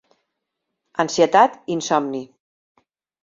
Ansietat, insomni.